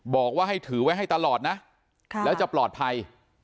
บอกว่าให้ถือไว้ให้ตลอดนะแล้วจะปลอดภัย